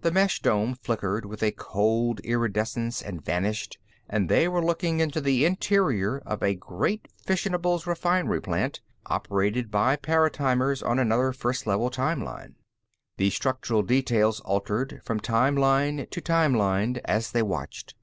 The mesh dome flickered with a cold iridescence and vanished, and they were looking into the interior of a great fissionables refinery plant, operated by paratimers on another First Level time line. The structural details altered, from time line to time line, as they watched.